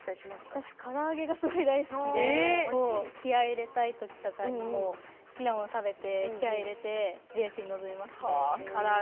私、から揚げがすごく大好きで気合い入れたいときとかに好きなものを食べて気合いを入れてレースに臨みます。